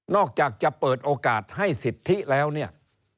อกจากจะเปิดโอกาสให้สิทธิแล้วเนี่ย